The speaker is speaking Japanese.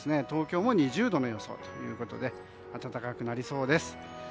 東京も２０度の予想ということで暖かくなりそうです。